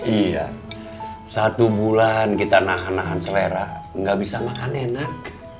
iya satu bulan kita nahan nahan selera nggak bisa makan enak